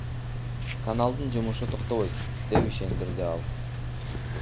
Каналдын жумушу токтобойт, — деп ишендирди ал.